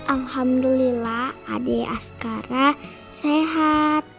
alhamdulillah adik asqara sehat